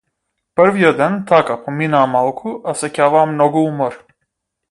Првиот ден, така, поминаа малку, а сеќаваа многу умор.